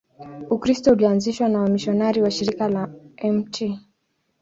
Ukristo ulianzishwa na wamisionari wa Shirika la Mt.